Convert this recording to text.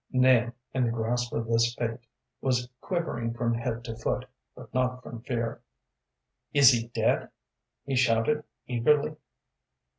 Nahum, in the grasp of this fate, was quivering from head to foot, but not from fear. "Is he dead?" he shouted, eagerly.